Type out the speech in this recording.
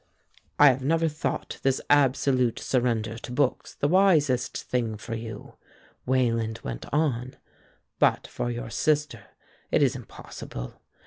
"I have never thought this absolute surrender to books the wisest thing for you," Wayland went on; "but for your sister it is impossible.